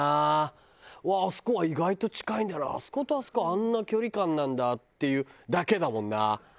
うわっあそこ意外と近いんだなあそことあそこあんな距離感なんだっていうだけだもんな。